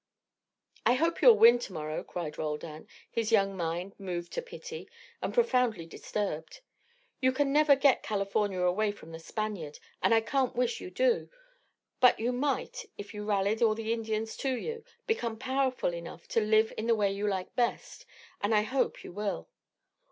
"I hope you'll win to morrow," cried Roldan, his young mind moved to pity, and profoundly disturbed. "You can never get California away from the Spaniard, and I can't wish you to; but you might, if you rallied all the Indians to you, become powerful enough to live in the way you like best, and I hope you will.